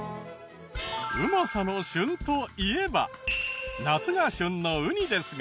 うまさの旬といえば夏が旬のウニですが。